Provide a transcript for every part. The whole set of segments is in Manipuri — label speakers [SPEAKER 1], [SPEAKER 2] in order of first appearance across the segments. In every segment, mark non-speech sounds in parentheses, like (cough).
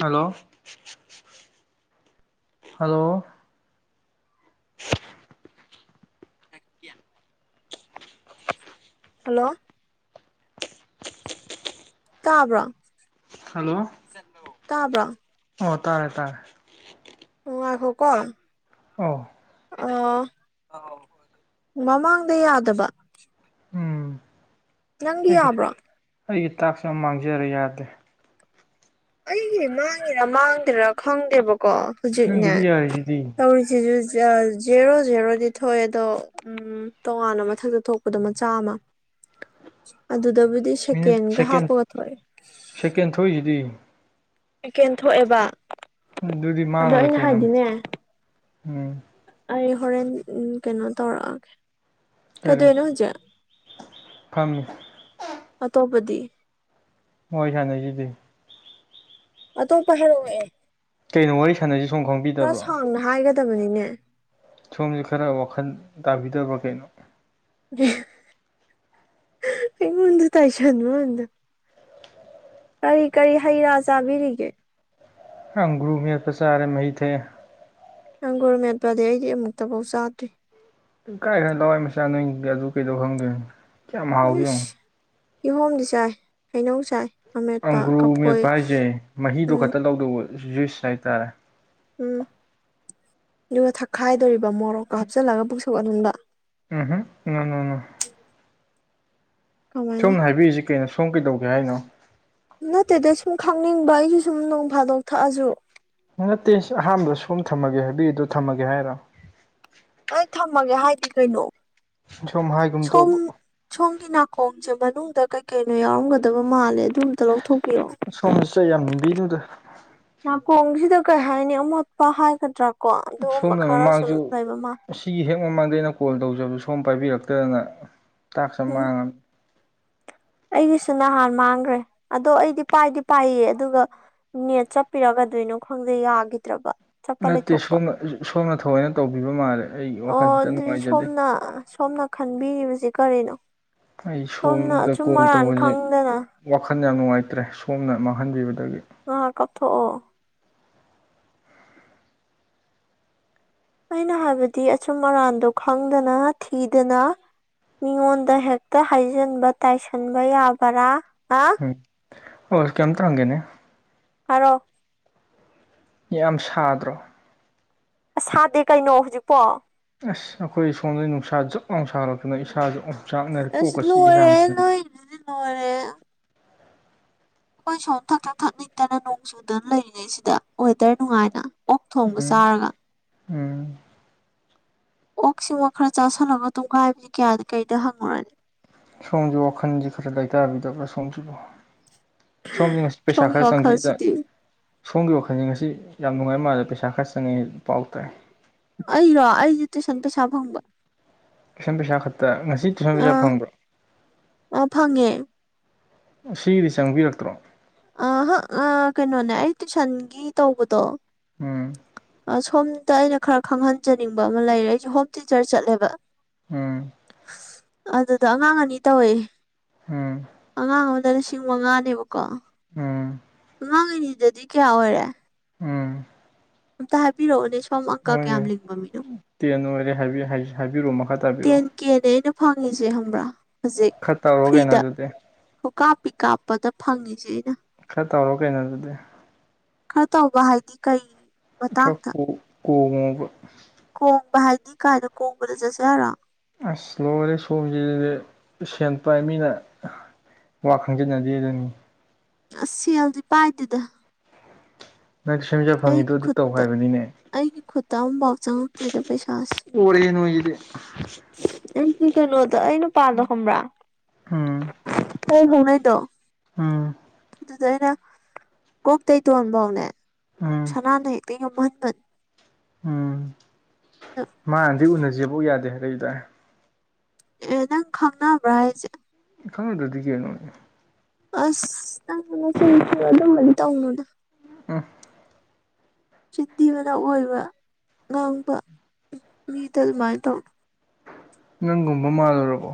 [SPEAKER 1] ꯍꯜꯂꯣ ꯍꯜꯂꯣ (inaudible)
[SPEAKER 2] ꯍꯜꯂꯣ ꯇꯥꯕ꯭ꯔꯣ
[SPEAKER 1] ꯍꯜꯂꯣ
[SPEAKER 2] ꯇꯥꯕ꯭ꯔꯥ
[SPEAKER 1] ꯑꯣ ꯇꯥꯔꯦ ꯇꯥꯔꯦ
[SPEAKER 2] ꯎꯨꯡ ꯉꯥꯢꯈꯣ ꯀꯣ
[SPEAKER 1] ꯑ
[SPEAKER 2] ꯑ ꯃꯃꯥꯡꯗ ꯌꯥꯗꯕ
[SPEAKER 1] ꯎꯝ
[SPEAKER 2] ꯅꯪꯗꯤ
[SPEAKER 1] ꯑꯩꯒꯤ
[SPEAKER 2] ꯌꯥꯕ꯭ꯔꯣ
[SPEAKER 1] ꯑꯩꯒꯤ ꯇꯥꯛꯁ ꯑꯃ ꯃꯥꯡꯖꯔ ꯌꯥꯗꯦ
[SPEAKER 2] ꯑꯩꯒꯤ ꯃꯥꯡꯉꯦꯔ ꯃꯥꯡꯗꯦꯔꯥ ꯈꯪꯗꯦꯕꯀꯣ ꯍꯧꯖꯤꯛꯅꯦ
[SPEAKER 1] ꯅꯪꯒꯤꯗꯤ ꯌꯥꯔꯤꯁꯤꯗꯤ
[SPEAKER 2] ꯇꯧꯔꯤꯁꯤꯁꯨ ꯖꯦꯔꯣ ꯖꯦꯔꯣꯗꯤ ꯊꯣꯛꯑꯦ ꯑꯗꯣ ꯎꯝ ꯎꯝ ꯇꯣꯉꯥꯟꯅ ꯃꯊꯛꯇ ꯊꯣꯛꯄꯗꯣ ꯃꯆꯥ ꯑꯃ ꯑꯗꯨꯗꯕꯨꯗꯤ
[SPEAKER 1] ꯃꯤꯅꯤꯠ
[SPEAKER 2] ꯁꯦꯀꯦꯟꯒ
[SPEAKER 1] ꯁꯦꯀꯦꯟ
[SPEAKER 2] ꯍꯥꯞꯄꯒ ꯊꯣꯛꯑꯦ
[SPEAKER 1] ꯁꯦꯀꯦꯟ ꯊꯣꯛꯏꯁꯤꯗꯤ
[SPEAKER 2] ꯄꯀꯦꯟ ꯊꯣꯛꯑꯦꯕ
[SPEAKER 1] ꯑꯗꯨꯗꯤ
[SPEAKER 2] ꯑꯗꯣ ꯑꯩꯅ
[SPEAKER 1] ꯃꯥꯡꯅꯨꯔꯀꯦꯅꯝ
[SPEAKER 2] ꯍꯥꯏꯗꯤꯅꯦ
[SPEAKER 1] ꯎꯝ
[SPEAKER 2] ꯑꯩ ꯍꯣꯔꯦꯟ ꯀꯩꯅꯣ ꯇꯧꯔꯛꯑꯒꯦ
[SPEAKER 1] ꯀꯔꯤ
[SPEAKER 2] ꯀꯩꯗꯣꯏꯅꯣ ꯍꯧꯖꯤꯛ
[SPEAKER 1] ꯐꯥꯝꯃꯤ
[SPEAKER 2] ꯑꯇꯣꯞꯄꯗꯤ
[SPEAKER 1] ꯍꯣꯏ ꯁꯥꯟꯅꯩꯁꯤꯗꯤ
[SPEAKER 2] ꯑꯇꯣꯞꯞ ꯍꯥꯢꯔꯣ
[SPEAKER 1] ꯀꯩꯅꯣ ꯋꯥꯔꯤ ꯁꯥꯟꯅꯁꯤ ꯁꯣꯝ ꯈꯪꯕꯤꯗꯕ꯭ꯔꯣ
[SPEAKER 2] ꯁꯥꯡꯅ ꯍꯥꯏꯒꯗꯕꯅꯤꯅꯦ
[SPEAKER 1] ꯁꯣꯝꯁꯦ ꯈꯔ ꯋꯥꯈꯜ ꯇꯥꯕꯤꯗꯕ꯭ꯔꯥ ꯀꯩꯅꯣ
[SPEAKER 2] ꯑꯩꯉ‌ꯣꯟꯗ ꯇꯥꯏꯁꯟꯕꯋꯥꯅꯤꯗ ꯀꯔꯤ ꯀꯔꯤ ꯍꯩ ꯔꯥ ꯆꯥꯕꯤꯔꯤꯒꯦ
[SPEAKER 1] ꯑꯪꯒ꯭ꯔꯨ ꯃꯦꯠꯄ ꯆꯥꯔꯦ ꯃꯍꯩ ꯊꯛꯑ‌ꯦ
[SPEAKER 2] ꯑꯪꯒꯨꯔ ꯃꯦꯠꯄꯗꯤ ꯑꯩꯗꯤ ꯑꯃꯨꯛꯇꯐꯥꯎ ꯆꯥꯗ꯭ꯔꯤ
[SPEAKER 1] ꯀꯥꯏꯗꯩꯟ ꯂꯋꯥꯏ ꯃꯆꯥ ꯅꯪꯒꯤ ꯑꯗꯨ ꯀꯩꯗꯧ ꯈꯪꯗꯣꯏꯅꯣ ꯀꯌꯥꯝ ꯍꯥꯎꯒꯦ
[SPEAKER 2] ꯁ
[SPEAKER 1] ꯌꯦꯡꯉꯣ
[SPEAKER 2] ꯀꯤꯍꯣꯝꯗꯤ ꯆꯥꯏ ꯍꯩꯅꯧ ꯆꯥꯏ ꯑꯃꯦꯠꯄ
[SPEAKER 1] ꯑꯪꯒ꯭ꯔꯨ
[SPEAKER 2] ꯀꯐꯣꯏ
[SPEAKER 1] ꯃꯦꯠꯄ ꯍꯥꯏꯁꯦ ꯃꯍꯤꯗꯣ
[SPEAKER 2] ꯎꯝ
[SPEAKER 1] ꯈꯛꯇ ꯂꯧꯗꯧꯕ ꯖꯨꯏꯁ ꯍꯥꯏꯇꯥꯔꯦ
[SPEAKER 2] ꯎꯝ ꯗꯨꯒ ꯊꯛꯈꯥꯏꯗꯣꯔꯤꯕ ꯃꯣꯔꯣꯛꯀ ꯍꯥꯞꯆꯤꯜꯂꯒ ꯄꯨꯛ ꯁꯧꯒꯠ ꯍꯟꯕ
[SPEAKER 1] ꯎꯝ ꯍꯝ ꯅꯣꯅꯣ
[SPEAKER 2] ꯀꯃꯥꯏꯅ
[SPEAKER 1] ꯁꯣꯝꯅ ꯍꯥꯏꯕꯤꯏꯁꯤ ꯀꯩꯅꯣ ꯁꯣꯝ ꯀꯩꯗꯧꯒꯦ ꯍꯥꯏꯅꯣ
[SPEAKER 2] ꯅꯠꯇꯦꯗ ꯁꯨꯝ ꯈꯪꯅꯤꯡꯕ ꯑꯩꯁꯨ ꯁꯨꯝ ꯅꯣꯡ ꯐꯥꯗꯣꯛ ꯊꯛꯑꯁꯨ
[SPEAKER 1] ꯅꯠꯇꯦ ꯑꯍꯥꯟꯕꯗ ꯁꯣꯝ ꯊꯝꯃꯒꯦ ꯍꯥꯏꯕꯤꯌꯨꯗꯣ ꯊꯝꯃꯒꯦ ꯍꯥꯏꯔ‌ꯣ
[SPEAKER 2] ꯑꯩ ꯊꯝꯃꯒꯦ ꯍꯥꯏꯗꯤ ꯀꯩꯅꯣ
[SPEAKER 1] ꯁꯨꯝ ꯍꯥꯏ
[SPEAKER 2] ꯁꯣꯝ ꯁꯣꯝꯒꯤ ꯅꯥꯀꯣꯡꯁꯦ ꯃꯅꯨꯡꯗ ꯀꯩꯀꯩꯅꯣ ꯌꯥꯎꯔꯝꯒꯗꯕ ꯃꯥꯜꯂꯦ ꯑꯗꯨꯝ ꯇ‌ꯣꯔ‌ꯣ ꯊꯣꯛꯄꯤꯔ‌ꯣ
[SPEAKER 1] ꯁꯣꯝꯗꯁꯨ ꯑꯩ ꯌꯥꯝ ꯅꯤꯡꯕꯤꯅꯨꯗ
[SPEAKER 2] ꯅꯥꯀꯣꯡꯁꯤꯗ ꯀꯩ ꯍꯥꯏꯅꯤ ꯑꯃꯣꯠꯄ ꯍꯥꯏꯒꯗ꯭ꯔꯥ ꯀꯣ ꯑꯗꯨꯒꯨꯝꯕ
[SPEAKER 1] ꯁꯣꯝꯅ
[SPEAKER 2] ꯈꯔ ꯁꯨꯝ
[SPEAKER 1] ꯃꯃꯥꯡꯁꯨ
[SPEAKER 2] ꯂꯩꯕ ꯃꯥꯜꯂ
[SPEAKER 1] ꯑꯁꯤꯒꯤ ꯍꯦꯛ ꯃꯃꯥꯡꯗ ꯑꯩꯅ ꯀꯣꯜ ꯇꯧꯖꯕ ꯁꯣꯝ ꯄꯥꯏꯕꯤꯔꯛꯇꯗꯅ ꯇꯥꯛꯁ ꯑꯝ
[SPEAKER 2] ꯎꯝ
[SPEAKER 1] ꯃꯥꯡꯉꯝ
[SPEAKER 2] ꯑꯩꯒꯤꯁꯨ ꯅꯍꯥꯟ ꯃꯥꯡꯈ꯭ꯔꯦ ꯑꯗꯣ ꯑꯩꯗꯤ ꯄꯥꯏꯗꯤ ꯄꯥꯏꯌꯦ ꯑꯗꯨꯒ ꯅꯦꯠ ꯆꯠꯄꯤꯔ ꯀꯗꯩꯋꯤꯅꯣ ꯈꯪꯗꯦ ꯌꯥꯈꯤꯗ꯭ꯔꯕ ꯆꯠꯄ
[SPEAKER 1] ꯅꯠꯇꯦ
[SPEAKER 2] ꯂꯩꯊꯣꯛꯄ
[SPEAKER 1] ꯁꯣꯝꯅ ꯁꯣꯝꯅ ꯊꯑꯣꯏꯅ ꯇꯧꯕꯤꯕ ꯃꯥꯜꯂꯦ ꯑꯩ
[SPEAKER 2] ꯑꯣ
[SPEAKER 1] ꯋꯥꯈꯜ ꯈꯤꯇꯪ
[SPEAKER 2] ꯑꯗꯨꯗꯤ
[SPEAKER 1] ꯅꯨꯡꯉꯥꯏꯖꯗꯦ
[SPEAKER 2] ꯁꯣꯝꯅ ꯁꯣꯝꯅ ꯈꯟꯕꯤꯔꯤꯕꯁꯤ ꯀꯔꯤꯅꯣ
[SPEAKER 1] ꯑꯩ
[SPEAKER 2] ꯁꯣꯝꯅ
[SPEAKER 1] ꯁꯣꯝꯗ
[SPEAKER 2] ꯑꯆꯨꯝ
[SPEAKER 1] ꯀꯣꯜ
[SPEAKER 2] ꯑꯔꯥꯟ
[SPEAKER 1] ꯇꯧꯕꯁꯦ
[SPEAKER 2] ꯈꯪꯗꯅ
[SPEAKER 1] ꯋꯥꯈꯜ ꯌꯥꯝ ꯅꯨꯡꯉꯥꯏꯇ꯭ꯔꯦ ꯁꯣꯝꯅ ꯃꯥꯡꯍꯟꯕꯤꯕꯗꯒꯤ
[SPEAKER 2] ꯑꯥ ꯀꯞꯊꯣꯛꯑꯣ ꯑꯩꯅ ꯍꯥꯏꯕꯗꯤ ꯑꯆꯨꯝ ꯑꯔꯥꯟꯗꯣ ꯈꯪꯗꯅ ꯊꯤꯗꯅ ꯃꯤꯉꯣꯟꯗ ꯍꯦꯛꯇ ꯍꯥꯏꯖꯤꯟꯕ ꯇꯥꯏꯁꯟꯕ ꯌꯥꯕꯔꯥ ꯑꯥ
[SPEAKER 1] ꯎꯝ ꯑꯣꯁ ꯀꯩꯝꯇ ꯍꯪꯒꯦꯅꯦ
[SPEAKER 2] ꯍꯥꯏꯔ‌ꯣ
[SPEAKER 1] ꯌꯥꯝ ꯁꯥꯗ꯭ꯔꯣ
[SPEAKER 2] ꯑꯁ ꯁꯥꯗꯦ ꯀꯩꯅꯣ ꯍꯧꯖꯤꯛꯄꯣ
[SPEAKER 1] ꯑꯁ ꯑꯩꯈꯣꯏ ꯁꯣꯝꯗꯗꯤ ꯅꯨꯡꯁꯥ ꯖꯛ ꯂꯥꯎꯅ ꯁꯥꯒꯠꯂꯛꯇꯅ ꯏꯁꯥꯁ‌ꯦ ꯑ‌ꯣꯝ ꯆꯥꯛꯅꯔꯦ ꯀꯣꯛꯀ ꯆꯤꯛꯏ ꯁꯥꯃꯟ
[SPEAKER 2] (inaudible) ꯗꯨꯗꯤ ꯂ‌ꯣꯏꯔꯦꯍ‌ꯦ ꯑꯩꯈꯣꯏ ꯁꯣꯝ ꯊꯛ ꯊꯛ ꯊꯛ ꯅꯤꯛꯇꯅ ꯅꯣꯡ ꯆꯨꯗꯅ ꯂꯩꯔꯤꯅ‌ꯦ ꯁꯤꯗ ꯋꯦꯗꯔ ꯅꯨꯡꯉꯥꯏꯅ ꯑꯣꯛ ꯊꯣꯡꯕ
[SPEAKER 1] ꯎꯝ
[SPEAKER 2] ꯆꯥꯔꯒ
[SPEAKER 1] ꯎꯝ
[SPEAKER 2] ꯑꯣꯛ ꯁꯤꯃꯥ ꯈꯔ ꯆꯥꯥꯁꯜꯂꯒ ꯇꯨꯝꯈꯥꯏꯕꯁꯤ ꯀꯌꯥꯗ ꯀꯩꯗ ꯍꯪꯉꯨꯔꯅꯤ
[SPEAKER 1] ꯁꯣꯝꯁꯨ ꯋꯥꯈꯜꯁꯦ ꯈꯔ ꯂꯩꯇꯥꯕꯤꯗꯕ꯭ꯔꯥ ꯁꯣꯝꯁꯤꯕꯨ ꯁꯣꯝꯁꯤ ꯉꯁꯤ ꯄꯩꯁꯥ
[SPEAKER 2] ꯁꯣꯝꯒꯤ
[SPEAKER 1] ꯈꯔ ꯆꯪ ꯁꯤ (unintelligible)
[SPEAKER 2] ꯋꯥꯈꯜꯁꯤꯗꯤ
[SPEAKER 1] ꯁꯣꯝꯒꯤ ꯋꯥꯈꯜꯁꯦ ꯉꯁꯤ ꯌꯥꯝ ꯅꯨꯡꯉꯥꯏ ꯃꯥꯜꯂꯦ ꯄꯩꯁꯥ ꯈꯔ ꯆꯪꯉꯤ ꯄꯥꯎ ꯇꯥꯏ
[SPEAKER 2] ꯑꯩꯔꯣ ꯑꯩꯗꯤ ꯇꯨꯏꯁꯟ ꯄꯩꯁꯥ ꯐꯪꯕ
[SPEAKER 1] ꯇꯨꯏꯁꯟ ꯄꯩꯁꯥ ꯈꯛꯇ ꯉꯁꯤ ꯇꯨꯏꯁꯟ ꯄꯩꯁꯥ
[SPEAKER 2] ꯑꯥ
[SPEAKER 1] ꯐꯪꯕ꯭ꯔꯣ
[SPEAKER 2] ꯐꯪꯉꯦ
[SPEAKER 1] ꯑꯁꯤꯗꯤ ꯆꯪꯕꯤꯔꯛꯇ꯭ꯔꯣ
[SPEAKER 2] ꯑꯥꯍꯥ ꯑ ꯀꯩꯅꯣꯅꯦ ꯑꯩ ꯇꯨꯏꯁꯟꯒꯤ ꯇꯧꯕꯗꯣ
[SPEAKER 1] ꯎꯝ
[SPEAKER 2] ꯑꯥ ꯁꯣꯝꯗ ꯑꯩꯅ ꯈꯔ ꯈꯪꯍꯟꯖꯅꯤꯡꯕ ꯑꯃ ꯂꯩꯔꯦ ꯑꯩꯁ‌ꯦ ꯍꯣꯝ ꯇꯤꯆꯔ ꯆꯠꯂꯦꯕ
[SPEAKER 1] ꯎꯝ
[SPEAKER 2] ꯑꯗꯨꯗ ꯑꯉꯥꯡ ꯑꯅꯤ ꯇꯧꯋꯦ
[SPEAKER 1] ꯎꯝ
[SPEAKER 2] ꯑꯉꯥꯡ ꯑꯃꯗ ꯂꯤꯁꯤꯡ ꯃꯉꯥꯅꯦꯕꯀꯣ
[SPEAKER 1] ꯎꯝ
[SPEAKER 2] ꯍꯥꯡꯉꯅꯤꯗꯗꯤ ꯀꯌꯥ ꯑꯣꯏꯔꯦ
[SPEAKER 1] ꯎꯝ
[SPEAKER 2] ꯑꯝꯇ ꯍꯥꯏꯕꯤꯔꯛꯑꯣꯅꯦ ꯁꯣꯝ ꯑꯪꯀ ꯀꯌꯥꯝ ꯂꯤꯡꯕ ꯃꯤꯅꯣ
[SPEAKER 1] ꯇꯦ ꯅꯣꯏꯔꯦ ꯍꯥꯏꯕꯤꯔꯛꯑꯣ ꯃꯈꯥ ꯇꯥꯕꯤꯔꯛꯑꯣ
[SPEAKER 2] ꯇꯦꯟ ꯀꯦꯅꯦ ꯑꯩꯅ ꯐꯪꯉꯤꯁꯦ ꯍꯕ꯭ꯔꯥ ꯍꯧꯖꯤꯛ
[SPEAKER 1] ꯈꯔ ꯇꯧꯔꯣ ꯀꯩꯅꯣ
[SPEAKER 2] ꯐ꯭ꯔꯤꯗ
[SPEAKER 1] ꯑꯗꯨꯗꯤ
[SPEAKER 2] ꯍ ꯀꯥꯞꯄꯤ ꯀꯥꯞꯄꯗ ꯐꯪꯉꯁꯦ ꯑꯩꯅ
[SPEAKER 1] ꯈꯔ ꯇꯧꯔꯣ ꯀꯩꯅꯣ ꯑꯗꯨꯗꯤ
[SPEAKER 2] ꯈꯔ ꯇꯧꯕ ꯍꯥꯏꯗꯤ ꯀꯩ
[SPEAKER 1] ꯈꯔ ꯀꯣ ꯀꯣꯡꯕ
[SPEAKER 2] ꯀ‌ꯣꯡꯕ ꯍꯥꯏꯗꯤ ꯀꯥꯏꯗ ꯀ‌ꯣꯡꯕꯗ ꯆꯠꯁ‌ꯦ ꯍꯥꯏꯔꯣ
[SPEAKER 1] ꯑꯁ ꯂꯣꯏꯔꯦ ꯁꯣꯝꯁꯤꯗꯤ ꯁꯦꯟ ꯄꯥꯏ ꯃꯤꯅ ꯋꯥ ꯈꯪꯖꯤꯟꯅꯗꯦ ꯗꯨꯅꯤ
[SPEAKER 2] ꯑꯁ ꯁ‌ꯦꯜꯗꯤ ꯄꯥꯏꯗꯦꯗ
[SPEAKER 1] ꯅꯪ ꯁꯦꯝꯖ ꯐꯪꯉꯤꯗꯣ
[SPEAKER 2] ꯑꯩꯒꯤ
[SPEAKER 1] ꯑꯗꯨ ꯇꯧ
[SPEAKER 2] ꯈꯨꯠꯇ
[SPEAKER 1] ꯍꯥꯏꯕꯅꯤꯅꯦ
[SPEAKER 2] ꯑꯩꯒꯤ ꯈꯨꯠꯇ ꯑꯃꯨꯛꯐꯥꯎ ꯆꯪꯉꯛꯇꯦꯗ ꯄꯩꯁꯥꯁꯦ
[SPEAKER 1] ꯑꯣꯔꯦꯅ ꯏꯦ
[SPEAKER 2] ꯑꯩꯗꯤ ꯀꯩꯅꯣꯗꯣ ꯑꯩꯅꯄꯥꯥꯗꯣ ꯈꯪꯕ꯭ꯔꯥ
[SPEAKER 1] ꯎꯝ
[SPEAKER 2] ꯍ ꯍꯅꯣꯏꯗꯣ
[SPEAKER 1] ꯎꯝ
[SPEAKER 2] ꯑꯗꯨꯗ ꯑꯩꯅ ꯀꯣꯛ ꯇꯩꯇꯣꯟꯕꯧꯅꯦ
[SPEAKER 1] ꯎꯝ
[SPEAKER 2] ꯁꯅꯥꯅ ꯍꯦꯛꯇ ꯌꯣꯍꯟꯕ
[SPEAKER 1] ꯎꯝ ꯃꯥꯅꯗꯤ ꯎꯅꯁꯦꯐꯧ ꯌꯥꯗꯦ ꯀꯩꯗꯏ
[SPEAKER 2] ꯑꯦ ꯅꯪ ꯈꯪꯅꯕ꯭ꯔꯥ ꯍꯥꯏꯁꯦ
[SPEAKER 1] ꯏ ꯈꯪ ꯗꯔꯗꯤꯒ ꯑꯣꯏꯅꯅꯣꯅꯦ
[SPEAKER 2] ꯑꯁ ꯇꯅꯁꯨ ꯑꯗꯨꯝꯕꯗꯤ ꯇꯧꯅꯨꯗ
[SPEAKER 1] ꯎꯝ
[SPEAKER 2] ꯆꯤꯟꯊꯤ ꯃꯅꯥ ꯑꯣꯏꯕ ꯉꯥꯡꯕ ꯃꯤꯗ ꯑꯗꯨꯃꯥꯏꯅ ꯇꯧ
[SPEAKER 1] ꯅꯪꯒꯨꯝꯕ ꯃꯥꯜꯂꯨꯔꯕꯣ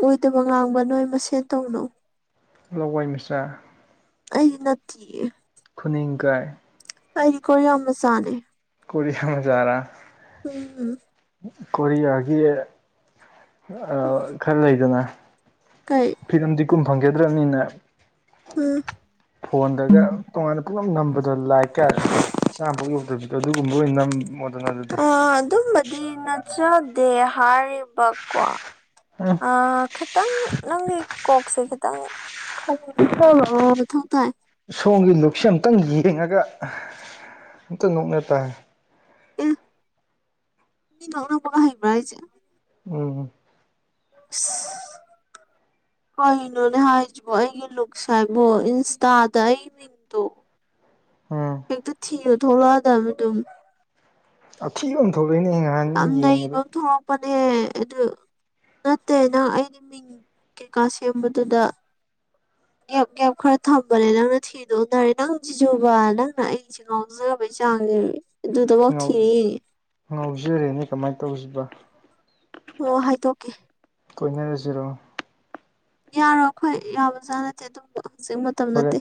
[SPEAKER 2] ꯑꯣꯏꯗꯕ ꯉꯥꯡꯕ ꯅꯣꯏ ꯃꯁꯦꯟ ꯇꯧꯅꯧ
[SPEAKER 1] ꯂꯏ ꯃꯤꯁ
[SPEAKER 2] ꯑꯩ ꯅ
[SPEAKER 1] ꯈꯨꯅꯤꯡ ꯀꯥꯏ
[SPEAKER 2] ꯑꯩꯀꯣ ꯌꯥꯝꯅ ꯆꯥꯅꯦ
[SPEAKER 1] ꯀꯔꯤꯌꯥ ꯃ ꯆꯔꯥ
[SPEAKER 2] ꯎꯝ
[SPEAKER 1] ꯀꯣꯔꯤꯌꯥꯒꯤ ꯈꯔ ꯂꯩꯗꯅ
[SPEAKER 2] ꯀ ꯀꯩ
[SPEAKER 1] ꯐꯤꯂꯝꯗꯤ ꯀꯨꯝ ꯐꯪꯒꯗ꯭ꯔꯕꯅꯤꯅ
[SPEAKER 2] ꯎꯝ
[SPEAKER 1] ꯐꯣꯟꯗꯒ ꯇꯣꯉꯥꯟꯅ ꯄꯨꯝꯅꯃꯛ ꯅꯝꯕ ꯗꯣ ꯂꯥꯏꯔꯤꯛꯀ ꯆꯥꯝꯕ ꯌꯧꯗꯕꯤꯗ ꯑꯗꯨꯒꯨꯝꯕ ꯑꯣꯏꯅ ꯑꯗꯨꯗꯤ
[SPEAKER 2] ꯑ ꯑꯗꯨꯝꯕꯗꯤ ꯅꯠꯆꯗꯦ ꯍꯥꯏꯔꯤꯕꯀꯣ
[SPEAKER 1] ꯎꯝ
[SPEAKER 2] ꯑ ꯈꯤꯇꯪ ꯅꯪꯒꯤ ꯀꯣꯛꯁꯦ ꯈꯤꯇꯪ ꯃꯊꯧ ꯇꯥꯏ
[SPEAKER 1] ꯁꯣꯝꯒꯤ ꯂꯨꯛꯁꯦ ꯑꯨꯛꯇꯪ ꯌꯦꯡꯉꯒ ꯑꯝꯇ ꯅꯣꯛꯅ ꯇꯥꯏ
[SPEAKER 2] ꯑꯦ ꯃꯤ ꯅꯣꯡꯅꯕ ꯍꯕ꯭ꯔ ꯑꯩꯥꯏꯁꯦ
[SPEAKER 1] ꯎꯝ
[SPEAKER 2] ꯑ ꯀꯩꯅꯣꯅꯦ ꯍꯥꯏꯁꯤꯕꯣ ꯑꯩꯒꯤ ꯂꯨꯛꯁ ꯍꯥꯏꯕꯣ ꯏꯟꯁꯇꯥꯗ ꯑꯩ ꯗꯣ
[SPEAKER 1] ꯎꯝ
[SPEAKER 2] ꯍꯦꯛꯇ ꯊꯤꯌꯨ ꯊꯣꯛꯂꯛꯑꯗꯕ ꯑꯗꯨꯝ
[SPEAKER 1] ꯑ ꯐꯤꯕ ꯑꯃ ꯊꯣꯛꯂꯣꯏꯅꯦꯉ
[SPEAKER 2] ꯌꯥꯝ ꯅꯩꯕ ꯊꯣꯛꯂꯛꯄꯅꯦ ꯑꯗꯨ ꯅꯠꯇꯦ ꯅꯪ ꯑꯩꯗꯤ ꯃꯤꯡ ꯀꯩꯀꯥ ꯁꯦꯝꯕꯗꯨꯗ ꯒꯦꯞ ꯒꯦꯞ ꯈꯔ ꯊꯝꯕꯅꯦ ꯅꯪꯅ ꯊꯤꯗꯣꯛꯎꯅꯔꯦ ꯅꯪ ꯖꯤꯖꯨꯕ ꯅꯪꯅ ꯑꯩ ꯉꯥꯎꯗꯖꯕꯩ ꯆꯥꯡꯉꯦꯕ ꯑꯗꯨꯗꯐꯥꯎ
[SPEAKER 1] ꯉꯥꯎ
[SPEAKER 2] ꯊꯤꯔꯤꯅꯦ
[SPEAKER 1] ꯉꯥꯎꯖꯔꯦꯅꯦ ꯀꯃꯥꯏꯅ ꯇꯧꯁꯤꯕ
[SPEAKER 2] ꯑꯣ ꯍꯥꯏꯗꯣꯛꯀꯦ
[SPEAKER 1] ꯀꯣꯏꯅꯔꯁꯤꯔꯣ
[SPEAKER 2] ꯌꯥꯔꯣ ꯑꯩꯈꯣꯏ ꯌꯥꯕꯖꯥꯅꯠꯇꯦ ꯑꯗꯨꯝ ꯍꯧꯖꯤꯛ ꯃꯇꯝ ꯅꯠꯇꯦ
[SPEAKER 1] ꯍꯣꯔꯦꯟ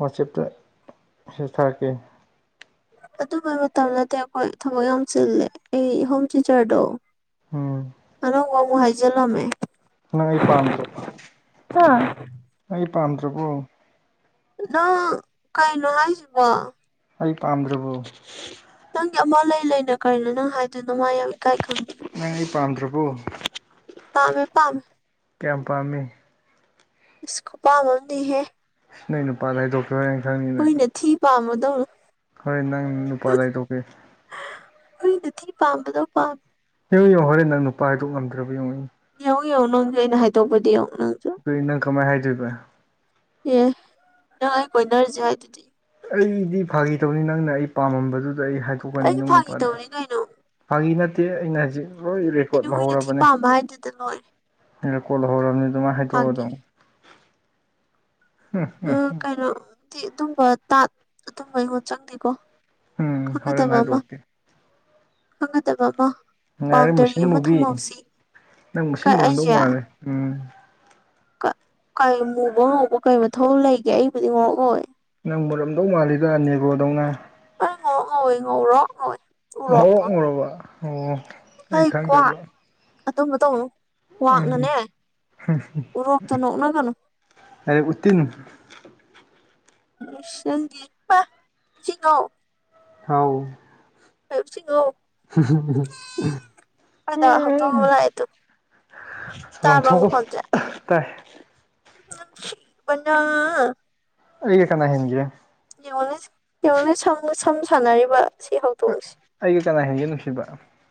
[SPEAKER 1] ꯋꯥꯆꯦꯞꯇ ꯍ ꯊꯥꯔꯛꯀꯦ
[SPEAKER 2] ꯑꯗꯨꯝꯕ ꯃꯇꯝ ꯅꯠꯇꯦ ꯑꯩꯈꯣꯏ ꯊꯕꯛ ꯌꯥꯝ ꯆꯤꯜꯂꯦ ꯑꯩ ꯍꯣꯝ ꯇꯤꯆꯔꯗꯣ
[SPEAKER 1] ꯎꯝ
[SPEAKER 2] ꯑꯅ ꯃꯍꯏꯖꯂꯂꯝꯦ
[SPEAKER 1] ꯅ ꯑꯩ ꯄꯥꯝꯗ꯭ꯔꯣ
[SPEAKER 2] ꯑ
[SPEAKER 1] ꯑꯩ ꯄꯥꯝꯗ꯭ꯔꯕꯣ
[SPEAKER 2] ꯅꯪ ꯀꯩꯅꯣ ꯍꯥꯏꯁꯤꯕꯣ
[SPEAKER 1] ꯑꯩ ꯄꯥꯝꯗ꯭ꯔꯕꯣ
[SPEAKER 2] ꯅꯪꯒꯤ ꯑꯃ ꯂꯩ ꯂꯩꯅ ꯀꯔꯤꯅꯣ ꯅꯪ ꯍꯥꯏꯗꯨ ꯅꯃꯥ ꯌꯥ ꯏꯀꯥꯏ ꯈꯪꯗꯦ
[SPEAKER 1] ꯅꯪ ꯑꯩ ꯄꯥꯝꯗ꯭ꯔꯕꯣ
[SPEAKER 2] ꯄꯥꯃꯦ ꯄꯥꯝꯃꯦ
[SPEAKER 1] ꯀꯌꯥꯝ ꯄꯥꯝꯃꯤ
[SPEAKER 2] (unintelligible)
[SPEAKER 1] ꯁꯤ ꯅ ꯅꯨꯄꯥꯗ ꯗꯣꯛꯇꯔꯅ ꯈꯪꯉꯤꯅ
[SPEAKER 2] ꯊ ꯄꯥꯃꯗꯧ
[SPEAKER 1] ꯍꯣꯔꯦꯟ ꯅꯪ ꯅꯨꯄꯥꯗꯥ ꯇꯣꯛꯀꯦ
[SPEAKER 2] ꯑꯩꯣꯏ ꯅꯤꯡ ꯄꯥꯝꯕꯗꯣ ꯄꯥ
[SPEAKER 1] ꯌꯦꯡꯨ ꯌꯦꯡꯉ ꯍꯣꯔꯦꯪ ꯅꯨꯄꯥ ꯍꯥꯏꯗꯣꯛ ꯉꯝ꯭ꯔꯕ ꯌꯦꯉꯛꯏ
[SPEAKER 2] ꯌꯦꯡꯉꯨ ꯌꯦꯡꯉꯣ ꯅꯪꯁꯨ ꯑꯩꯅ ꯍꯥꯏꯗꯣꯛꯄꯗꯤ ꯌꯦꯡꯉꯨ ꯅꯪꯁꯨ
[SPEAKER 1] ꯑꯩꯈꯣꯏ ꯅꯪ ꯀꯃꯥꯏꯅ ꯍꯥꯏꯗꯣꯏꯔꯤꯕ
[SPEAKER 2] ꯑꯦ ꯅꯪ ꯑꯩ ꯀꯣꯏꯅꯔꯁꯦ ꯍꯥꯏꯗꯨꯗꯤ
[SPEAKER 1] ꯑꯩꯗꯤ ꯐꯥꯈꯤ ꯇꯧꯅꯤ ꯅꯪꯅ ꯑꯩ ꯄꯥꯝꯃꯝꯕꯗꯨꯗ ꯑꯩ ꯍꯥꯏꯗꯣꯛꯀꯅꯤ
[SPEAKER 2] ꯑꯩꯁꯨ
[SPEAKER 1] ꯅꯅꯨꯡ
[SPEAKER 2] ꯐꯥꯒꯤ
[SPEAKER 1] ꯅꯨꯄꯥꯅ
[SPEAKER 2] ꯇꯧꯅꯤ ꯀꯩꯅꯣ
[SPEAKER 1] ꯐꯪꯉꯤ ꯅꯠꯇꯦ ꯑꯩꯅ ꯍꯧꯖꯤꯛ ꯍꯣꯏ ꯔꯦꯀꯣꯔꯠ
[SPEAKER 2] ꯑꯩꯅ ꯍꯨꯏꯅ ꯊꯤ
[SPEAKER 1] ꯂꯧꯍꯧꯔꯕꯅꯤ
[SPEAKER 2] ꯄꯥꯝꯕ ꯍꯥꯏꯗꯨꯗ ꯂꯣꯏꯔꯦ
[SPEAKER 1] ꯔꯦꯀꯣꯔꯠ ꯂꯧꯍꯧꯔꯕꯅꯤ ꯑꯗꯨꯃꯥꯏꯅ ꯍꯥꯏꯗꯣꯛꯑꯣ
[SPEAKER 2] ꯐꯥꯒꯤ
[SPEAKER 1] ꯑꯗꯨꯝ
[SPEAKER 2] ꯎ ꯀꯩꯅꯣꯗꯤ ꯑꯗꯨꯝꯕ ꯇꯥ ꯑꯗꯨꯝꯕ ꯑꯩꯉꯣꯟ ꯆꯪꯗꯦꯀꯣ
[SPEAKER 1] ꯎꯝ ꯍꯣꯔꯦꯟ
[SPEAKER 2] ꯈꯪꯒꯗꯕ ꯑꯃ
[SPEAKER 1] ꯍꯥꯏꯗꯣꯛꯀꯦ
[SPEAKER 2] ꯈꯪꯒꯗꯕ ꯑꯃ
[SPEAKER 1] ꯉꯥꯏꯔꯦ
[SPEAKER 2] ꯕꯥꯎꯟꯗꯔꯤ
[SPEAKER 1] ꯃꯨꯁꯤꯟ
[SPEAKER 2] ꯑꯃ
[SPEAKER 1] ꯃꯨꯕꯤ
[SPEAKER 2] ꯊꯝꯍꯧꯁꯤ
[SPEAKER 1] ꯅꯪ ꯃꯨꯁꯤꯟ
[SPEAKER 2] ꯀꯥꯏ
[SPEAKER 1] ꯃꯨꯔꯝꯗꯧ
[SPEAKER 2] ꯑꯩꯁꯦ
[SPEAKER 1] ꯃꯥꯜꯂꯦ ꯎꯝ
[SPEAKER 2] ꯀꯩ ꯃꯨꯕ ꯉꯧꯕ ꯀꯩ ꯃꯊꯧ ꯂꯩꯒꯦ ꯑꯩꯕꯨꯗꯤ ꯉꯔꯛꯍꯧꯋꯦ
[SPEAKER 1] ꯅꯪ ꯃꯔꯝꯗꯧ ꯃꯥꯜꯂꯤꯗ ꯅꯦꯒꯣꯗꯧꯅ
[SPEAKER 2] ꯑ ꯉꯧꯔꯣ ꯉꯧꯋꯦ ꯉꯧꯔꯣ ꯉꯧꯏꯦ
[SPEAKER 1] (unintelligible) ꯑꯣ ꯑꯩ
[SPEAKER 2] ꯐꯩꯀ꯭ꯣ
[SPEAKER 1] ꯈꯪꯗꯕ
[SPEAKER 2] ꯑꯗꯨꯝꯕ ꯇꯧ
[SPEAKER 1] ꯎꯝ
[SPEAKER 2] ꯀ꯭ꯋꯥꯛꯅꯅꯦ ꯎꯔꯣꯛꯇ ꯅꯣꯛꯅꯒꯅꯨ
[SPEAKER 1] ꯑꯩ ꯎꯠꯇꯤꯟ
[SPEAKER 2] ꯎꯁꯪꯗꯤꯕ ꯁꯤꯣ
[SPEAKER 1] ꯍꯥꯎ
[SPEAKER 2] ꯀꯁꯤꯡꯉꯣ ꯐꯗ ꯍꯧꯗꯣꯛ ꯂꯑꯗꯣ
[SPEAKER 1] ꯂꯪꯊꯣꯛꯄ ꯇꯥꯏ
[SPEAKER 2] ꯅꯨꯡꯁꯤꯕꯅ
[SPEAKER 1] ꯑꯩꯒ ꯀꯅꯥ ꯍꯦꯟꯒ
[SPEAKER 2] (unintelligible) ꯁꯝ ꯁꯥꯟꯅꯔꯤꯕ ꯁꯤ ꯍꯧ
[SPEAKER 1] ꯑꯩꯒ ꯀꯅꯥ ꯍꯦꯟꯒꯦ ꯅꯨꯡꯁꯤꯕ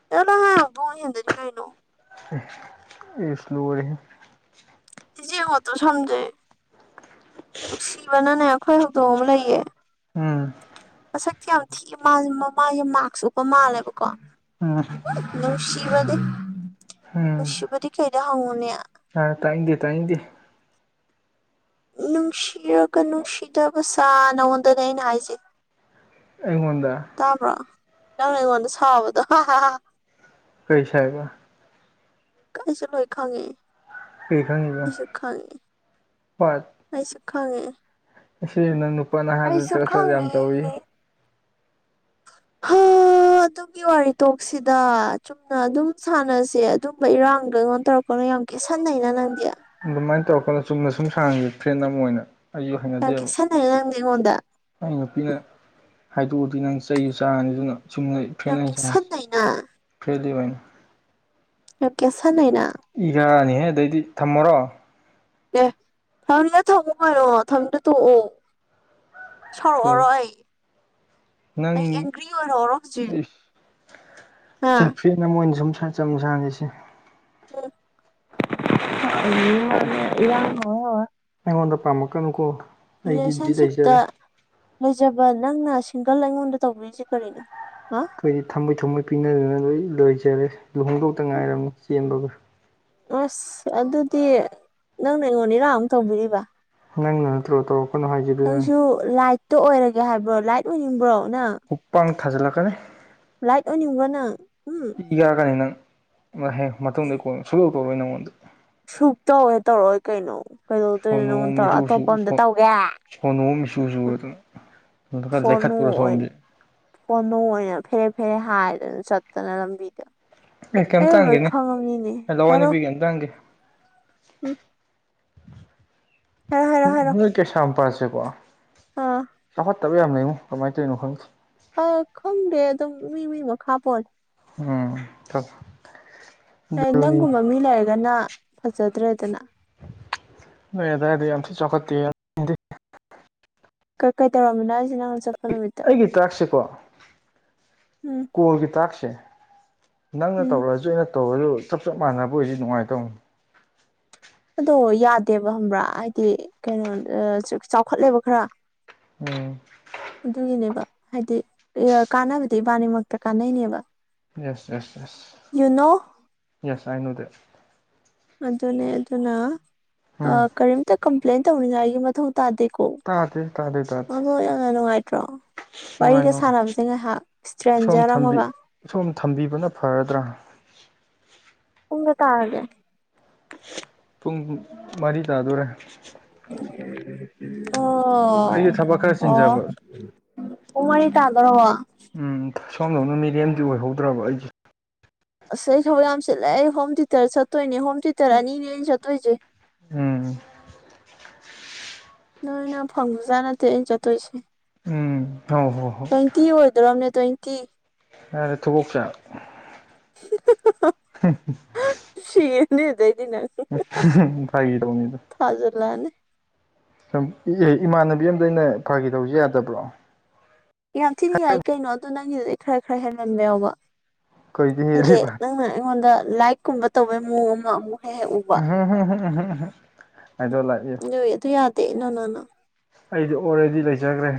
[SPEAKER 2] ꯀꯅꯣ ꯍꯕꯨꯣꯡ ꯍꯗꯅꯤ ꯀꯩꯩꯅꯣ
[SPEAKER 1] ꯏꯁ ꯂꯣꯏꯔꯦꯍꯦ
[SPEAKER 2] ꯏꯆꯦ ꯃꯠꯇ ꯁꯝꯖꯩ ꯅꯨꯡꯁꯤꯕꯅꯅꯦ ꯑꯩꯈꯣꯏ ꯍꯧꯗꯣꯡ ꯑꯃ ꯂꯩꯌꯦ
[SPEAKER 1] ꯎꯝ
[SPEAKER 2] ꯃꯁꯛꯇꯤ ꯌꯥꯝ ꯊꯤꯑ ꯃꯥ ꯃꯃꯥꯏꯁꯦ ꯃꯥꯛꯁ ꯎꯞꯄ ꯃꯥꯜꯂꯦꯕꯀꯣ꯫
[SPEAKER 1] ꯎꯝ
[SPEAKER 2] ꯅꯨꯡꯁꯤꯕꯗꯤ ꯅꯨꯡꯁꯤꯕꯗꯤ ꯀꯩꯗ ꯍꯪꯉꯨꯅꯦ
[SPEAKER 1] ꯑ ꯇꯥꯏꯗꯦ ꯇꯥꯏꯗꯦ
[SPEAKER 2] ꯅꯨꯡꯁꯤꯔꯒ ꯅꯨꯡꯁꯤꯗꯕ ꯁꯥ ꯅꯉꯣꯟꯗꯅꯦ ꯑꯩꯅ ꯍꯥꯏꯖꯩ
[SPEAKER 1] ꯑꯩꯉꯣꯟꯗ
[SPEAKER 2] ꯇꯥꯕ꯭ꯔꯣ ꯅ ꯅꯪꯅ ꯑꯩꯉꯣꯟꯗ ꯁꯥꯕꯗꯣ
[SPEAKER 1] ꯀꯩꯁ ꯍꯥꯏꯕ
[SPEAKER 2] ꯀꯁꯤ
[SPEAKER 1] ꯀꯔꯤ ꯈꯪꯉꯤꯕ
[SPEAKER 2] ꯂꯣꯏꯣꯏꯈꯥꯡꯒꯦꯁꯨ ꯈꯥꯡꯒꯦ ꯑꯩꯁꯨ ꯈꯪꯉꯦ
[SPEAKER 1] ꯁꯤ ꯅꯪ ꯅꯨꯄꯥ ꯅꯍꯥꯗ
[SPEAKER 2] ꯑꯩꯁꯨ
[SPEAKER 1] ꯆꯠ ꯆ ꯌꯥꯝ
[SPEAKER 2] ꯈꯪꯉꯦ
[SPEAKER 1] ꯇꯧꯋ
[SPEAKER 2] ꯑꯗꯨꯒꯤ ꯋꯥꯔꯤ ꯇꯣꯛꯁꯤꯗ ꯑꯗꯨꯝ ꯁꯥꯟꯅꯁꯦ ꯑꯗꯨꯝꯕ ꯏꯔꯥꯡ ꯀꯩꯅꯣ ꯇꯧꯔꯛꯄꯅꯣ ꯌꯥꯝ ꯀꯦꯁꯟꯅꯩꯅ ꯅꯪꯗꯤ
[SPEAKER 1] ꯑꯗꯨꯃꯥꯏꯅ ꯇꯧꯔꯛꯀꯅꯨ ꯆꯨꯝꯅ ꯁꯨꯝ ꯁꯥꯁꯦ ꯐ꯭ꯔꯦꯟ ꯑꯃ ꯑꯣꯏꯅ ꯑꯩꯁꯨ
[SPEAKER 2] ꯌꯥꯝ
[SPEAKER 1] ꯍꯩꯅꯗꯦꯕ
[SPEAKER 2] ꯀꯦꯁꯥꯟꯅꯔꯦ ꯅꯪꯗꯤ ꯑꯩꯉꯣꯟꯗ
[SPEAKER 1] ꯑꯩ ꯅꯨꯄꯤꯅ ꯍꯥꯏꯗꯣꯛꯑꯗꯤ ꯅꯪ ꯆꯩ ꯆꯥꯔꯅꯤ ꯑꯗꯨꯅ ꯁꯨꯅꯩ
[SPEAKER 2] ꯌꯥꯝ
[SPEAKER 1] ꯐꯔꯦꯟꯂꯤ ꯑꯣꯏꯅ ꯁꯥꯅꯁꯦ
[SPEAKER 2] ꯀꯦꯠꯁꯟꯅꯩꯅ
[SPEAKER 1] ꯐꯔꯦꯟꯂꯤ ꯑꯣꯏꯅ
[SPEAKER 2] ꯌꯥꯝ ꯀꯦꯁꯥꯟꯅꯩꯅ
[SPEAKER 1] ꯏꯀꯥꯅꯤꯍꯦ ꯑꯗꯩꯗꯤ ꯊꯝꯃꯔꯣ
[SPEAKER 2] ꯑꯦ ꯊꯝꯅꯤꯡꯉꯥ‌ ꯊꯝꯃꯨ ꯀꯥꯏꯅ ꯊꯝꯅꯤꯗ ꯇꯣꯛꯑꯣ ꯁꯣꯔꯛꯑꯔꯣ ꯑꯩ
[SPEAKER 1] ꯅꯪ
[SPEAKER 2] ꯑꯩ ꯑꯦꯡꯒ꯭ꯔꯤ ꯑꯣꯏꯔꯛꯑꯔꯣꯏ ꯍꯧꯖꯤꯛ
[SPEAKER 1] ꯑꯁ
[SPEAKER 2] ꯍꯥ
[SPEAKER 1] ꯁꯐ꯭ꯔꯤ ꯅꯪ ꯃꯣꯏꯅ ꯁꯨꯝ ꯆꯝ ꯁꯥꯡꯉꯁꯦ
[SPEAKER 2] (unintelligible)
[SPEAKER 1] ꯑꯩꯉꯣꯟꯗ ꯄꯥꯝꯃꯛꯀꯅꯨꯀꯣ ꯑꯩꯒꯤ ꯕꯤꯠ
[SPEAKER 2] ꯔꯤꯂꯦꯁꯟꯁꯤꯞꯇ
[SPEAKER 1] ꯂꯩꯖꯔꯦ
[SPEAKER 2] ꯔꯦꯂꯦꯁꯟꯁꯤꯞꯇ ꯂꯩꯖꯕ ꯅꯪꯅ ꯁꯤꯡꯒꯜ ꯑꯩꯉꯣꯟꯗ ꯇꯧꯕꯤꯔꯤꯁꯤ ꯀꯔꯤꯅꯣ ꯍꯥ
[SPEAKER 1] ꯑꯩꯈꯣꯏꯗꯤ ꯊꯥꯃꯣꯏ ꯊꯥꯃꯣꯏ ꯄꯤꯅꯗꯅ ꯂꯣꯏ ꯂꯣꯏꯖꯔꯦ ꯂꯨꯍꯣꯡꯗꯧꯇ ꯉꯥꯏꯔꯕꯅꯤ ꯆꯦꯟꯕꯒ ꯫
[SPEAKER 2] ꯑꯁ ꯑꯗꯨꯗꯤ ꯅꯪꯅ ꯑꯩꯉꯣꯟꯗ ꯏꯔꯥꯡ ꯑꯃꯨꯛ ꯇꯧꯕꯤꯔꯤꯕ ꯫
[SPEAKER 1] ꯅꯪꯅ ꯅꯠꯇ꯭ꯔꯣ ꯇꯧꯔꯛ ꯀꯩꯅꯣ ꯍꯥꯏ
[SPEAKER 2] ꯅꯪꯁꯨ ꯂꯥꯏꯠꯇꯣ ꯑꯣꯏꯔꯒꯦ ꯍꯥꯏꯕ꯭ꯔꯣ ꯂꯥꯏꯠ ꯑꯣꯏꯅꯤꯡꯕ꯭ꯔꯣ ꯅꯪ
[SPEAKER 1] ꯈꯨꯞꯄꯥꯛ ꯊꯥꯖꯜꯀꯅꯤ
[SPEAKER 2] ꯂꯥꯏꯠ ꯑꯣꯏꯅꯤꯡꯕ ꯅꯪ ꯎꯝ
[SPEAKER 1] ꯏꯈꯛꯀꯅꯤ ꯅꯪ ꯍꯦꯛ ꯃꯇꯨꯡꯗꯩ ꯀꯣꯟ ꯁꯨꯗꯣꯛ ꯇꯧꯔꯣꯏ ꯅꯪꯉꯣꯟꯗ
[SPEAKER 2] ꯁꯨꯛ ꯇꯧꯋꯦ ꯇꯧꯔꯛꯑꯣꯏ ꯀꯩꯅꯣ ꯀꯩꯗꯧꯗꯣꯏꯅꯣ
[SPEAKER 1] ꯁꯣꯅꯣ
[SPEAKER 2] ꯅꯪꯉꯣꯟꯗ
[SPEAKER 1] ꯑꯃ
[SPEAKER 2] ꯇꯧꯔ
[SPEAKER 1] ꯏꯆꯨ ꯆꯨ
[SPEAKER 2] ꯑꯇꯣꯞꯄ ꯑꯝꯗ ꯇꯧꯒꯦ
[SPEAKER 1] ꯁꯣꯅꯣ ꯑꯃ ꯏꯁꯨ ꯁꯣꯅꯣ ꯕꯗꯧꯅ ꯈꯔꯥ ꯂꯩꯈꯠꯄꯨꯔꯣ ꯁꯣꯝꯁꯦ
[SPEAKER 2] ꯍꯣꯃꯣ ꯑꯣꯏꯅ ꯐꯦꯔꯦ ꯐꯦꯔꯦ ꯍꯥꯏꯔꯗꯅ ꯆꯠꯇꯅ ꯂꯝꯕꯤꯗ
[SPEAKER 1] ꯑꯦ
[SPEAKER 2] ꯑꯩ ꯂꯣꯏ ꯈꯪꯉꯕꯅꯤꯅꯦ ꯌꯥꯔꯦ
[SPEAKER 1] ꯀꯩꯅꯣꯝ ꯇꯥ ꯍꯥꯪꯒꯦ
[SPEAKER 2] ꯎꯝ ꯍꯥꯏꯔꯣ ꯍꯥꯏꯔꯣ ꯍꯥꯏꯔꯣ
[SPEAKER 1] ꯅꯣꯏ ꯀꯩꯁꯝꯄꯥꯠꯁꯦꯀꯣ
[SPEAKER 2] ꯑꯥ
[SPEAKER 1] ꯆꯧ (unintelligible) ꯀꯃꯥꯏꯅ ꯇꯔꯤꯅꯣ ꯈꯪꯗꯦ
[SPEAKER 2] ꯑꯥꯎ ꯈꯪꯗꯦ ꯑꯗꯨꯝ ꯃꯤ ꯃꯤ ꯃꯈꯥ ꯄꯣꯠꯂꯦ ꯫
[SPEAKER 1] ꯎꯝ ꯊ꯫
[SPEAKER 2] ꯂꯩ ꯅꯪꯒꯨꯝꯕ ꯃꯤ ꯂꯩꯔꯒꯅ ꯐꯖꯗ꯭ꯔꯦꯗꯅ꯫
[SPEAKER 1] ꯅꯣꯏ ꯑꯗꯥꯏꯗꯨ ꯌꯥꯝꯊꯤꯟ ꯆꯥꯎꯈꯠꯇꯦ꯫
[SPEAKER 2] ꯀ ꯀꯩꯇꯧꯔꯝꯃꯤꯅꯣ ꯍꯥꯏꯁꯤ ꯅꯪ ꯆꯠ
[SPEAKER 1] ꯑꯩꯒꯤ ꯇꯥꯛꯁꯁꯦꯀꯣ
[SPEAKER 2] ꯎꯝ
[SPEAKER 1] ꯀꯣꯜꯒꯤ ꯇꯥꯛꯁꯁꯦ꯫ ꯅꯪꯅ
[SPEAKER 2] ꯎꯝ
[SPEAKER 1] ꯇꯧꯔꯛꯑꯁꯨ ꯑꯩꯅ ꯇꯧꯔꯁꯨ ꯆꯞ ꯆꯞ ꯃꯥꯟꯅꯕ ꯑꯣꯏꯁꯤ ꯅꯨꯡꯉꯥꯏꯗꯧꯅꯤ꯫
[SPEAKER 2] ꯑꯗꯣ ꯌꯥꯗꯦꯕ ꯈꯪꯕ꯭ꯔꯥ ꯍꯥꯏꯗꯤ ꯀꯩꯅꯣ ꯆꯥꯎꯈꯠꯂꯦꯕ ꯈꯔ꯫
[SPEAKER 1] ꯎꯝ꯫
[SPEAKER 2] ꯑꯗꯨꯒꯤꯅꯦꯕ ꯍꯥꯏꯗꯤ ꯀꯥꯟꯅꯕꯗꯤ ꯏꯕꯥꯅꯤꯃꯛꯇ ꯀꯥꯟꯅꯩꯅꯦꯕ
[SPEAKER 1] yes yes yes
[SPEAKER 2] you know
[SPEAKER 1] yes I know that
[SPEAKER 2] ꯑꯗꯨꯅꯦ ꯑꯗꯨꯅ
[SPEAKER 1] ꯎꯝ
[SPEAKER 2] ꯀꯔꯤꯝꯇ ꯀꯝꯄ꯭ꯂꯦꯟꯟ ꯇꯧꯅꯤꯉꯥꯏ ꯃꯊꯧ ꯇꯗꯀꯣ
[SPEAKER 1] ꯇꯥꯗꯦ ꯇꯥꯗꯦ ꯇꯥꯗꯦ
[SPEAKER 2] (unintelligible)
[SPEAKER 1] ꯅꯨꯡꯉꯥꯏ
[SPEAKER 2] ꯋꯥꯔꯤꯒ
[SPEAKER 1] ꯅꯨꯡꯉꯥꯏ
[SPEAKER 2] ꯁꯥꯟꯅꯕꯁꯦ ꯉꯥꯏꯍꯥꯛ
[SPEAKER 1] ꯁꯣꯝ
[SPEAKER 2] ꯏꯁꯇ꯭ꯔꯦꯟꯖꯔ
[SPEAKER 1] ꯊꯝꯕꯤ
[SPEAKER 2] ꯑꯃꯒ
[SPEAKER 1] ꯁꯣꯝ ꯊꯝꯕꯤꯕꯅ ꯐꯔꯗ꯭ꯔꯥ
[SPEAKER 2] ꯄꯨꯡ ꯀꯌꯥ ꯇꯥꯔꯒꯦ꯫
[SPEAKER 1] ꯄꯨꯡ ꯃꯔꯤ ꯇꯥꯗꯣꯔꯦ꯫ ꯑꯩꯒꯤ
[SPEAKER 2] ꯑꯣ
[SPEAKER 1] ꯊꯕꯛ ꯈꯔ
[SPEAKER 2] ꯑꯣ꯫
[SPEAKER 1] ꯆꯤꯟꯖꯕ
[SPEAKER 2] ꯄꯨꯡ ꯃꯔꯤ ꯇꯥꯗꯣꯔꯕꯣ꯫
[SPEAKER 1] ꯎꯝ ꯁꯣꯝꯗꯧꯅ ꯃꯤꯔꯦꯝꯗꯤ ꯑꯣꯏꯍꯧꯗ꯭ꯔꯕ ꯑꯩꯁꯦ꯫
[SPEAKER 2] ꯑꯁ ꯑꯩ ꯊꯕꯛ ꯌꯥꯝ ꯆꯤꯜꯂꯦ ꯑꯩ ꯍꯣꯝ ꯇꯨꯏꯇꯔ ꯆꯠꯇꯣꯏꯅꯦ ꯍꯣꯝ ꯇꯨꯏꯇꯔ ꯑꯅꯤ ꯅꯦ ꯑꯩꯟ ꯆꯠꯇꯣꯏꯁꯦ꯫
[SPEAKER 1] ꯎꯝ
[SPEAKER 2] ꯅꯣꯏꯅ ꯐꯪꯕꯖꯥꯠ ꯅꯠꯇꯦ ꯑꯩꯅ ꯆꯠꯇꯣꯏꯁꯦ꯫
[SPEAKER 1] ꯎꯝ ꯍꯣ ꯍꯣ꯫
[SPEAKER 2] ꯇ꯭ꯋꯦꯟꯇꯤ ꯑꯣꯏꯗꯣꯔꯝꯅꯦ ꯇ꯭ꯋꯦꯟꯇꯤ꯫
[SPEAKER 1] ꯌꯥꯔꯦ ꯊꯨꯒꯣꯛꯆꯥꯛ꯫
[SPEAKER 2] (unintelligible)
[SPEAKER 1] (unintelligible)
[SPEAKER 2] ꯁꯤꯔꯥꯅꯤ ꯑꯗꯩꯗꯤ ꯅꯪ꯫
[SPEAKER 1] ꯐꯥꯒꯤ ꯇꯧꯅꯤꯗ꯫
[SPEAKER 2] ꯊꯖꯤꯟꯂꯛꯑꯅꯤ꯫꯫
[SPEAKER 1] ꯁꯨꯝ ꯑꯦ ꯏꯃꯥꯟꯅꯕꯤ ꯑꯃꯗ ꯑꯩꯅ ꯐꯒꯤꯇꯧꯕꯁꯤ ꯌꯥꯗꯕ꯭ꯔꯣ꯫
[SPEAKER 2] ꯌꯥꯝ ꯊꯤꯅ ꯌꯥꯏ ꯀꯩꯅꯣ ꯑꯗꯣ ꯅꯪꯒꯤꯗꯨꯗꯤ ꯈꯔ ꯈꯔ ꯍꯦꯟꯃꯟꯕ ꯌꯥꯎꯕ꫰꫰
[SPEAKER 1] ꯀꯩꯗꯤ
[SPEAKER 2] ꯍꯥꯏꯗꯤ
[SPEAKER 1] ꯍꯦꯜꯂꯤꯕ
[SPEAKER 2] ꯅꯪꯅ ꯑꯩꯉꯣꯟꯗ ꯂꯥꯏꯛꯀꯨꯝꯕ ꯇꯧꯕꯩ ꯃꯑꯣꯡ ꯑꯃꯨꯛ꯫ ꯍꯦꯛ ꯍꯦꯛ ꯎꯕ
[SPEAKER 1] ꯏ ꯗꯣꯟ ꯂꯥꯏꯛ ꯏꯠ꯫
[SPEAKER 2] (unintelligible) ꯑꯗꯨ ꯌꯥꯗꯦ ꯅꯣ ꯅꯣ꯫
[SPEAKER 1] ꯑꯩꯗꯨ ꯑꯣꯜꯔꯦꯗꯤ ꯂꯩꯖꯈ꯭ꯔꯦ꯫